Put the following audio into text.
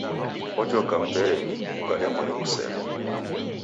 Ojoka mperenyi, ukalemwa ni kusea.